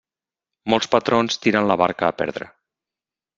Molts patrons tiren la barca a perdre.